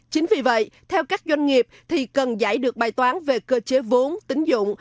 chính vì vậy theo các doanh nghiệp thì cần giải được bài toán về cơ chế vốn tính dụng